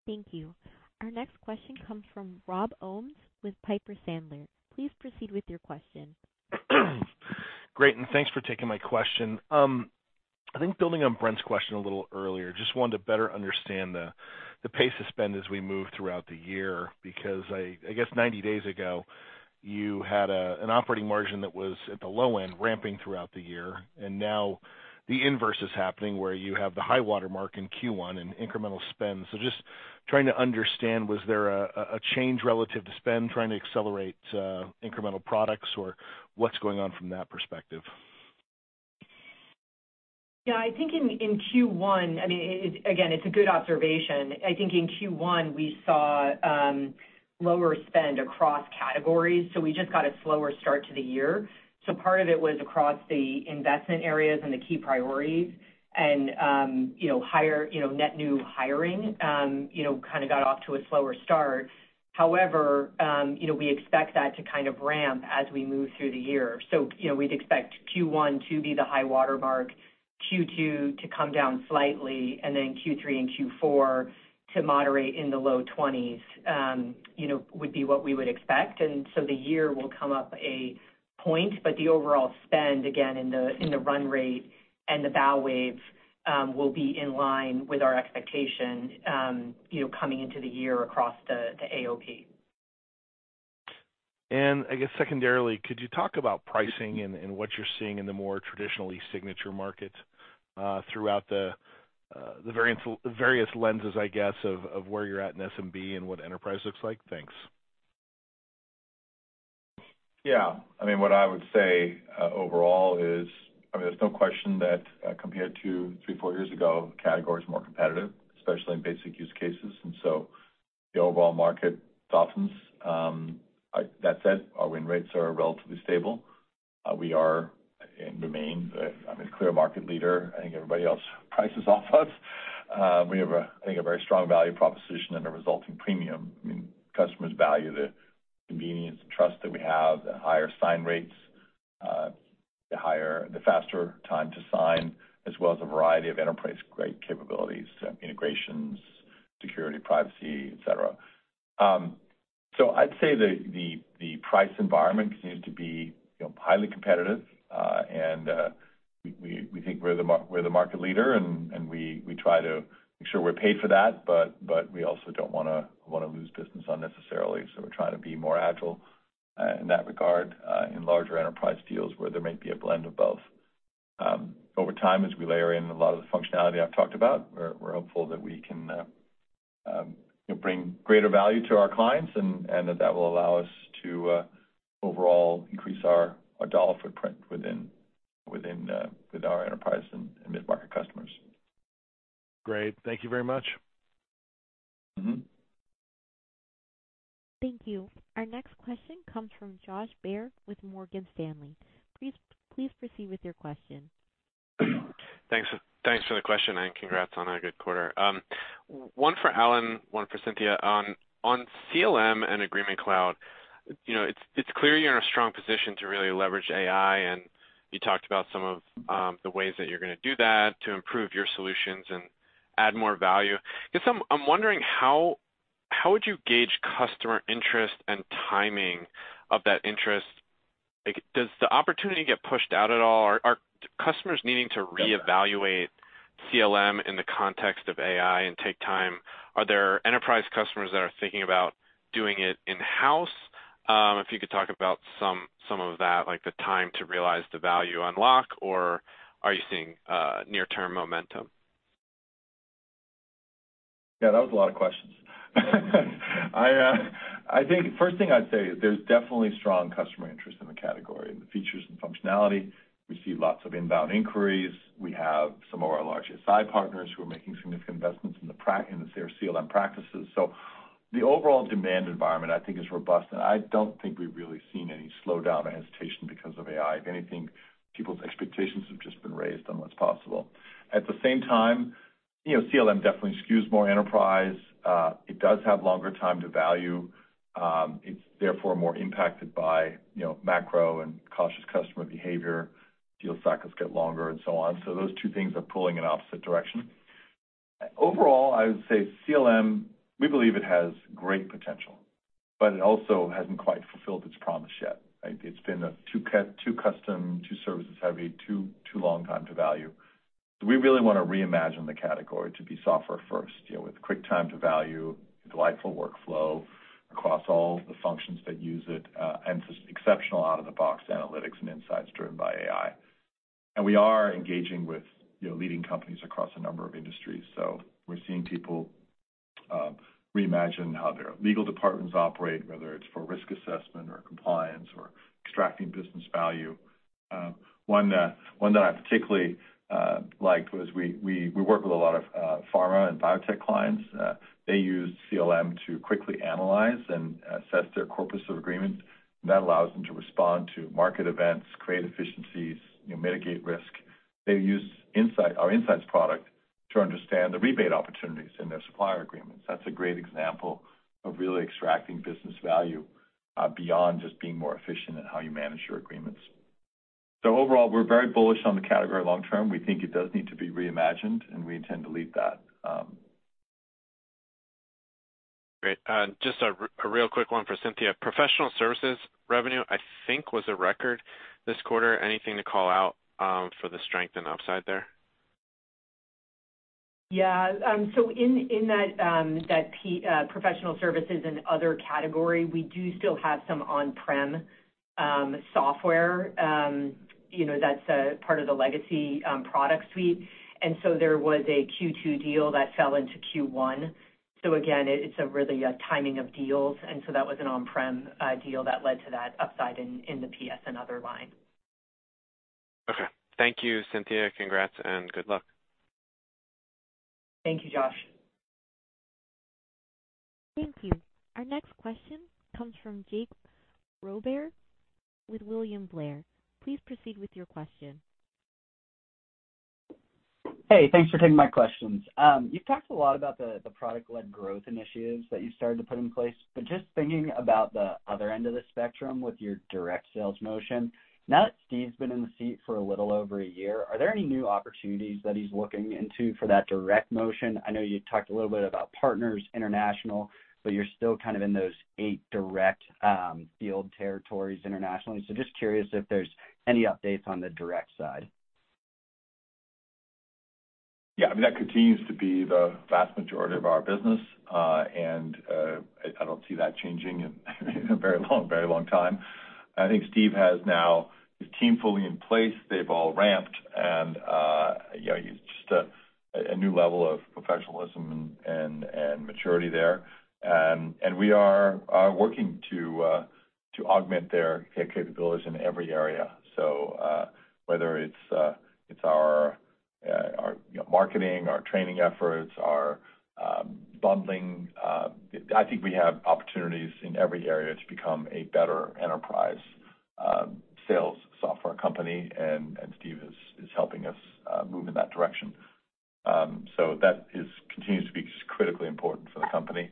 Speaker 1: Thank you. Our next question comes from Rob Owens with Piper Sandler. Please proceed with your question.
Speaker 11: Great, thanks for taking my question. I think building on Brent's question a little earlier, just wanted to better understand the pace of spend as we move throughout the year, because I guess 90 days ago, you had an operating margin that was at the low end, ramping throughout the year, and now the inverse is happening, where you have the high water mark in Q1 and incremental spend. Just trying to understand, was there a change relative to spend, trying to accelerate incremental products, or what's going on from that perspective?
Speaker 4: Yeah, I think in Q1, I mean, again, it's a good observation. I think in Q1, we saw lower spend across categories so we just got a slower start to the year. Part of it was across the investment areas and the key priorities, and, you know, higher, you know, net new hiring, you know, kind of got off to a slower start. However, you know, we expect that to kind of ramp as we move through the year. You know, we'd expect Q1 to be the high-water mark, Q2 to come down slightly, and then Q3 and Q4 to moderate in the low 20s, you know, would be what we would expect, and so the year will come up a point, but the overall spend, again, in the, in the run rate and the bow wave, will be in line with our expectation, you know, coming into the year across the AOP.
Speaker 11: I guess secondarily, could you talk about pricing and what you're seeing in the more traditionally signature markets, throughout the various lenses, I guess, of where you're at in SMB and what enterprise looks like? Thanks.
Speaker 3: Yeah. I mean, what I would say, overall is, I mean, there's no question that, compared to three, four years ago, the category is more competitive, especially in basic use cases, the overall market softens. That said, our win rates are relatively stable. We are and remain, I mean, a clear market leader. I think everybody else prices off us. We have, I think, a very strong value proposition and a resulting premium. I mean, customers value the convenience and trust that we have, the higher sign rates, the faster time to sign, as well as a variety of enterprise-grade capabilities, integrations, security, privacy, et cetera. I'd say the price environment continues to be, you know, highly competitive, and we think we're the market leader, and we try to make sure we're paid for that, but we also don't wanna lose business unnecessarily, so we're trying to be more agile in that regard, in larger enterprise deals where there might be a blend of both. Over time, as we layer in a lot of the functionality I've talked about, we're hopeful that we can, you know, bring greater value to our clients and that will allow us to overall increase our dollar footprint within with our enterprise and mid-market customers.
Speaker 11: Great. Thank you very much.
Speaker 3: Mm-hmm.
Speaker 1: Thank you. Our next question comes from Josh Baer with Morgan Stanley. Please proceed with your question.
Speaker 12: Thanks, thanks for the question, and congrats on a good quarter. One for Allan, one for Cynthia. On CLM and Agreement Cloud, you know, it's clear you're in a strong position to really leverage AI, and you talked about some of the ways that you're going to do that, to improve your solutions and add more value. I guess I'm wondering: How would you gauge customer interest and timing of that interest? Like, does the opportunity get pushed out at all? Are customers needing to reevaluate CLM in the context of AI and take time? Are there enterprise customers that are thinking about doing it in-house? If you could talk about some of that, like the time to realize the value unlock or are you seeing near-term momentum?
Speaker 3: Yeah, that was a lot of questions. I think first thing I'd say is there's definitely strong customer interest in the category, and the features and functionality. We see lots of inbound inquiries. We have some of our largest SI partners who are making significant investments in the CLM practices. The overall demand environment, I think, is robust, and I don't think we've really seen any slowdown or hesitation because of AI. If anything, people's expectations have just been raised on what's possible. At the same time, you know, CLM definitely skews more enterprise. It does have longer time to value. It's therefore more impacted by, you know, macro and cautious customer behavior. Deal cycles get longer and so on. Those two things are pulling in opposite directions. Overall, I would say CLM, we believe it has great potential, but it also hasn't quite fulfilled its promise yet, right? It's been too custom, too services heavy, too long time to value. We really want to reimagine the category to be software first, you know, with quick time to value, delightful workflow across all the functions that use it, and exceptional out-of-the-box analytics and insights driven by AI. We are engaging with, you know, leading companies across a number of industries. We're seeing people reimagine how their legal departments operate, whether it's for risk assessment or compliance or extracting business value. One that I particularly liked was we work with a lot of pharma and biotech clients. They use CLM to quickly analyze and assess their corpus of agreements, and that allows them to respond to market events, create efficiencies, you know, mitigate risk. They use Insight, our Insight product, to understand the rebate opportunities in their supplier agreements. That's a great example of really extracting business value, beyond just being more efficient in how you manage your agreements. Overall, we're very bullish on the category long term. We think it does need to be reimagined, and we intend to lead that.
Speaker 12: Great. Just a real quick one for Cynthia. Professional services revenue, I think, was a record this quarter. Anything to call out for the strength and upside there?
Speaker 4: Yeah, in that professional services and other category, we do still have some on-prem software, you know, that's a part of the legacy product suite. There was a Q2 deal that fell into Q1. Again, it's a really a timing of deals. That was an on-prem deal that led to that upside in the PS and other line.
Speaker 12: Okay. Thank you, Cynthia. Congrats and good luck.
Speaker 4: Thank you, Josh.
Speaker 1: Thank you. Our next question comes from Jake Roberge with William Blair. Please proceed with your question.
Speaker 13: Hey, thanks for taking my questions. You've talked a lot about the product-led growth initiatives that you started to put in place, but just thinking about the other end of the spectrum with your direct sales motion. Now that Steve's been in the seat for a little over a year, are there any new opportunities that he's looking into for that direct motion? I know you talked a little bit about Partners International, but you're still kind of in those eight direct field territories internationally. Just curious if there's any updates on the direct side.
Speaker 3: Yeah, I mean, that continues to be the vast majority of our business, and I don't see that changing in a very long time. I think Steve has now his team fully in place. They've all ramped, and, you know, he's just a new level of professionalism and maturity there. We are working to augment their capabilities in every area. Whether it's our, you know, marketing, our training efforts, our bundling, I think we have opportunities in every area to become a better enterprise sales software company, and Steve is helping us move in that direction. Continues to be just critically important for the company.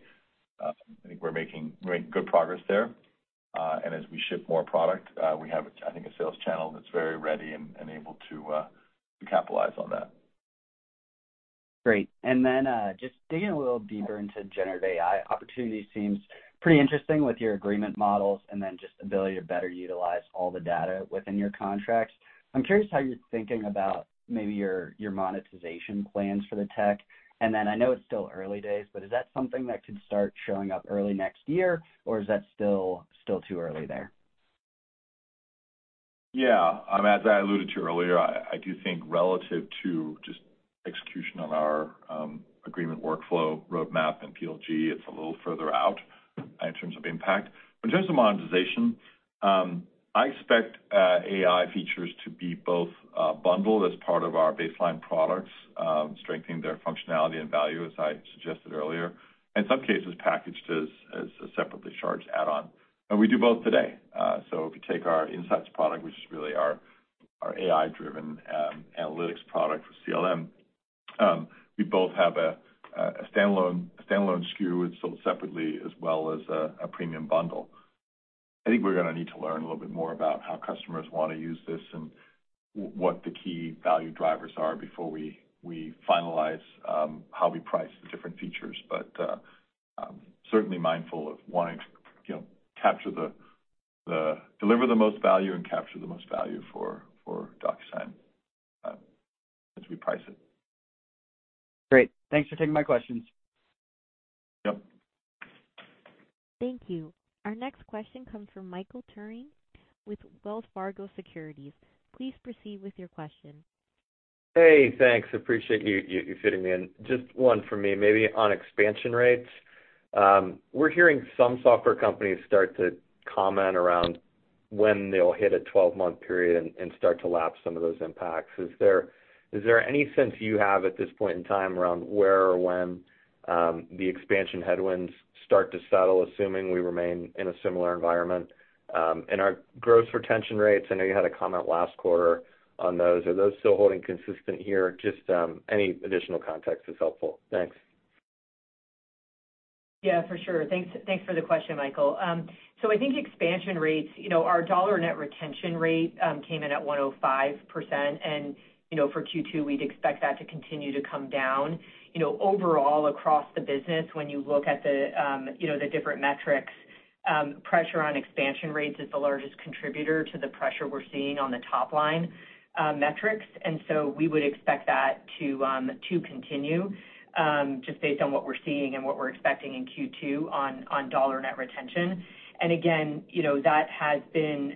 Speaker 3: I think we're making good progress there, and as we ship more product, we have, I think, a sales channel that's very ready and able to capitalize on that.
Speaker 13: Great. Just digging a little deeper into generative AI opportunity seems pretty interesting with your agreement models and then just ability to better utilize all the data within your contracts. I'm curious how you're thinking about maybe your monetization plans for the tech. I know it's still early days, but is that something that could start showing up early next year, or is that still too early there?
Speaker 3: Yeah. As I alluded to earlier, I do think relative to just execution on our agreement workflow, roadmap and PLG, it's a little further out in terms of impact. In terms of monetization, I expect AI features to be both bundled as part of our baseline products, strengthening their functionality and value as I suggested earlier, in some cases, packaged as a separately charged add-on. We do both today. If you take our Insight product, which is really our AI-driven analytics product for CLM, we both have a standalone SKU. It's sold separately as well as a premium bundle. I think we're gonna need to learn a little bit more about how customers wanna use this and what the key value drivers are before we finalize how we price the different features. Certainly mindful of wanting to, you know, Deliver the most value and capture the most value for DocuSign as we price it.
Speaker 13: Great. Thanks for taking my questions.
Speaker 3: Yep.
Speaker 1: Thank you. Our next question comes from Michael Turrin with Wells Fargo Securities. Please proceed with your question.
Speaker 14: Hey, thanks. Appreciate you fitting me in. Just one for me, maybe on expansion rates. We're hearing some software companies start to comment around when they'll hit a 12-month period and start to lap some of those impacts. Is there any sense you have at this point in time around where or when the expansion headwinds start to settle, assuming we remain in a similar environment? Our gross retention rates, I know you had a comment last quarter on those. Are those still holding consistent here? Just any additional context is helpful. Thanks.
Speaker 4: Yeah, for sure. Thanks, thanks for the question, Michael. So I think expansion rates, you know, our dollar net retention rate came in at 105%, and, you know, for Q2, we'd expect that to continue to come down. You know, overall, across the business, when you look at the, you know, the different metrics, pressure on expansion rates is the largest contributor to the pressure we're seeing on the top-line metrics. We would expect that to continue just based on what we're seeing and what we're expecting in Q2 on dollar net retention. Again, you know, that has been,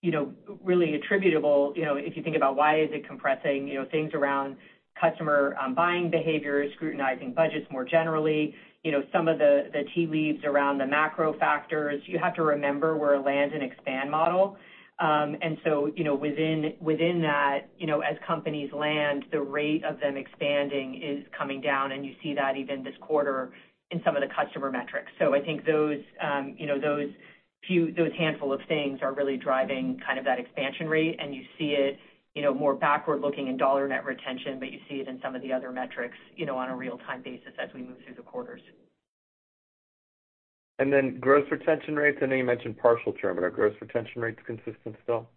Speaker 4: you know, really attributable, you know, if you think about why is it compressing, you know, things around customer, buying behavior, scrutinizing budgets more generally, you know, some of the tea leaves around the macro factors. You have to remember we're a land and expand model, and so, you know, within that, you know, as companies land, the rate of them expanding is coming down, and you see that even this quarter in some of the customer metrics. I think those, you know, those few, those handful of things are really driving kind of that expansion rate, and you see it, you know, more backward-looking in dollar net retention, but you see it in some of the other metrics, you know, on a real-time basis as we move through the quarters.
Speaker 14: Gross retention rates, I know you mentioned partial churn, but are gross retention rates consistent still?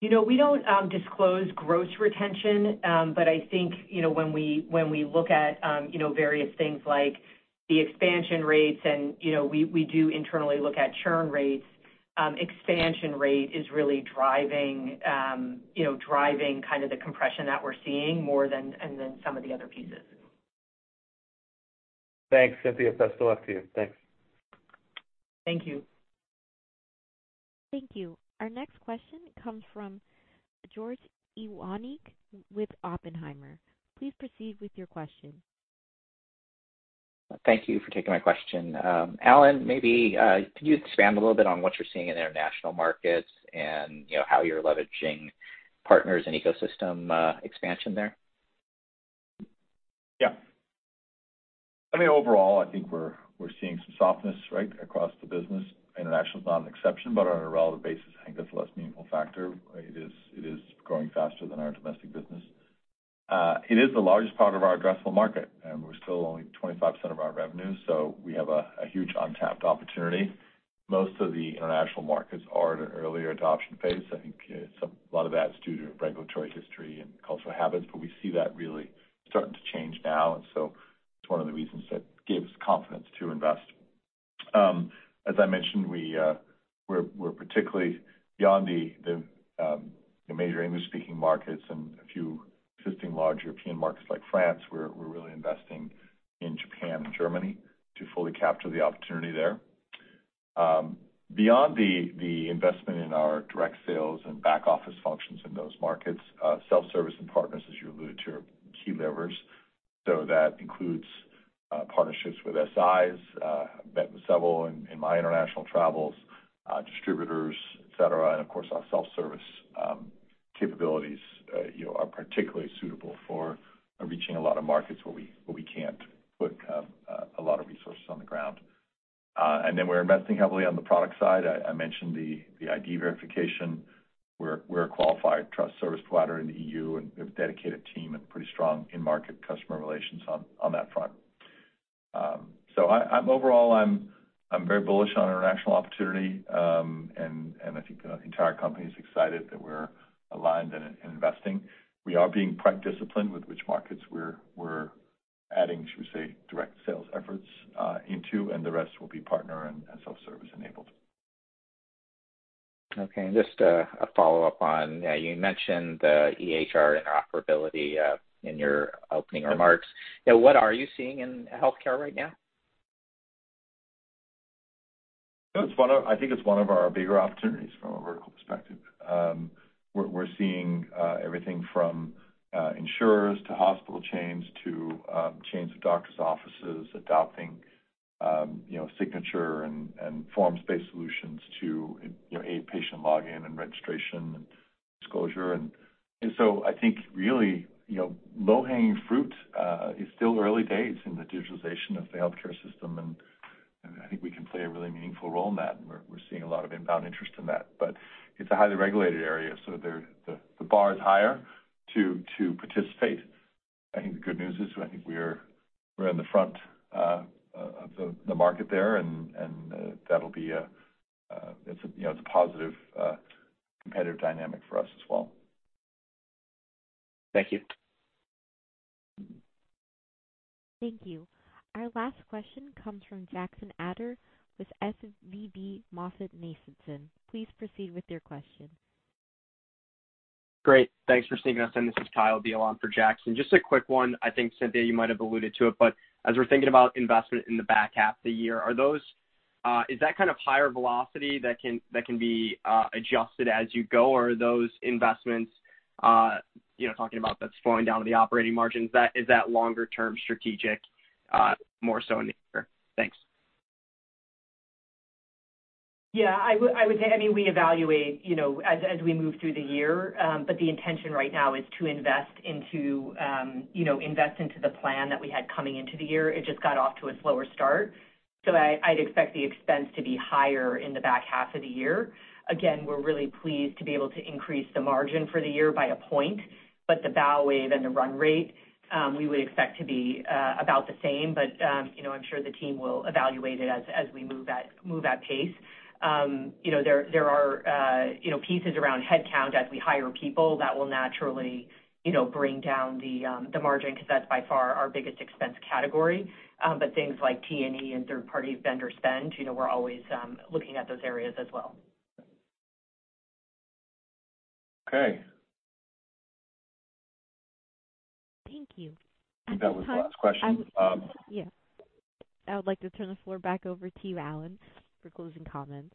Speaker 4: You know, we don't disclose gross retention, but I think, you know, when we, when we look at, you know, various things like the expansion rates and, you know, we do internally look at churn rates, expansion rate is really driving, you know, driving kind of the compression that we're seeing more than some of the other pieces.
Speaker 14: Thanks, Cynthia. Best of luck to you. Thanks.
Speaker 4: Thank you.
Speaker 1: Thank you. Our next question comes from George Iwanyc with Oppenheimer. Please proceed with your question.
Speaker 15: Thank you for taking my question. Allan, maybe, can you expand a little bit on what you're seeing in international markets and, you know, how you're leveraging partners and ecosystem expansion there?
Speaker 3: Yeah. I mean, overall, I think we're seeing some softness, right, across the business. International is not an exception, but on a relative basis, I think that's a less meaningful factor. It is, it is growing faster than our domestic business. It is the largest part of our addressable market, and we're still only 25% of our revenue, so we have a huge untapped opportunity. Most of the international markets are at an earlier adoption phase. I think a lot of that is due to regulatory history and cultural habits, but we see that really starting to change now, so it's one of the reasons that gave us confidence to invest. As I mentioned, we're particularly beyond the major English-speaking markets and a few existing large European markets like France. We're really investing in Japan and Germany to fully capture the opportunity there. Beyond the investment in our direct sales and back-office functions in those markets, self-service and partners, as you alluded to, are key levers. That includes partnerships with SIs, I've met with several in my international travels, distributors, et cetera. Of course, our self-service capabilities, you know, are particularly suitable for reaching a lot of markets where we, where we can't put a lot of resources on the ground. Then we're investing heavily on the product side. I mentioned the ID verification. We're a qualified trust service provider in the EU, and we have a dedicated team and pretty strong in-market customer relations on that front. I'm overall, I'm very bullish on international opportunity, and I think the entire company is excited that we're aligned and investing. We are being disciplined with which markets we're adding, should we say, direct sales efforts into, and the rest will be partner and self-service enabled.
Speaker 15: Okay. just a follow-up on, you mentioned the EHR interoperability in your opening remarks. What are you seeing in healthcare right now?
Speaker 3: I think it's one of our bigger opportunities from a vertical perspective. We're seeing everything from insurers to hospital chains to chains of doctor's offices adopting, you know, signature and forms-based solutions to, you know, aid patient login and registration and disclosure. I think really, you know, low-hanging fruit, it's still early days in the digitalization of the healthcare system, and I think we can play a really meaningful role in that, and we're seeing a lot of inbound interest in that. It's a highly regulated area, so the bar is higher to participate. I think the good news is, I think we're in the front of the market there, and that'll be a, it's a, you know, it's a positive competitive dynamic for us as well.
Speaker 15: Thank you.
Speaker 1: Thank you. Our last question comes from Jackson Ader with SVB MoffettNathanson. Please proceed with your question.
Speaker 16: Great, thanks for sneaking us in. This is Kyle Dion for Jackson. Just a quick one. I think, Cynthia, you might have alluded to it, but as we're thinking about investment in the back half of the year, are those, is that kind of higher velocity that can be adjusted as you go, or are those investments, you know, talking about that's flowing down to the operating margins, that is that longer term strategic, more so in the year? Thanks.
Speaker 4: Yeah, I would say, I mean, we evaluate, you know, as we move through the year, but the intention right now is to invest into, you know, invest into the plan that we had coming into the year. It just got off to a slower start. I'd expect the expense to be higher in the back half of the year. Again, we're really pleased to be able to increase the margin for the year by a point, but the bow wave and the run rate, we would expect to be about the same. You know, I'm sure the team will evaluate it as we move at pace. You know, there are, you know, pieces around headcount as we hire people that will naturally, you know, bring down the margin, because that's by far our biggest expense category. Things like T&E and third-party vendor spend, you know, we're always looking at those areas as well.
Speaker 16: Okay.
Speaker 1: Thank you.
Speaker 3: I think that was the last question.
Speaker 1: Yeah. I would like to turn the floor back over to you, Allan, for closing comments.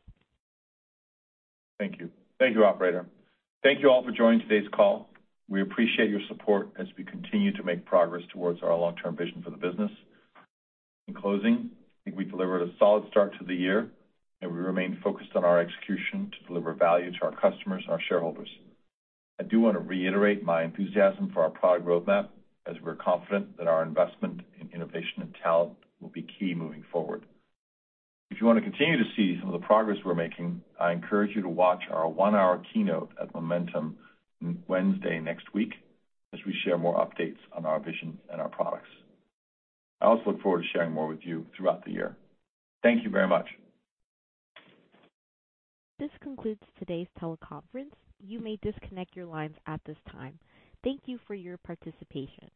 Speaker 3: Thank you. Thank you, operator. Thank you all for joining today's call. We appreciate your support as we continue to make progress towards our long-term vision for the business. In closing, I think we delivered a solid start to the year. We remain focused on our execution to deliver value to our customers and our shareholders. I do want to reiterate my enthusiasm for our product roadmap, as we're confident that our investment in innovation and talent will be key moving forward. If you want to continue to see some of the progress we're making, I encourage you to watch our one-hour keynote at Momentum, Wednesday next week, as we share more updates on our vision and our products. I also look forward to sharing more with you throughout the year. Thank you very much.
Speaker 1: This concludes today's teleconference. You may disconnect your lines at this time. Thank you for your participation.